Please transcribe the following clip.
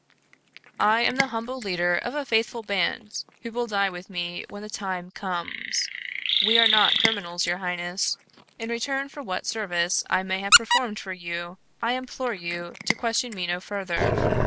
"I am the humble leader of a faithful band who will die with me when the time comes. We are not criminals, your highness. In return for what service I may have performed for you, I implore you to question me no further.